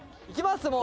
いきます！